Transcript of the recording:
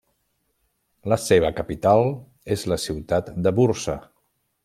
La seva capital és la ciutat de Bursa.